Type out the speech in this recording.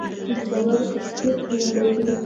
د چهارمغز له خستې نیالګی کیږي؟